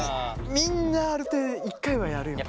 みんなあれって１回はやるよね。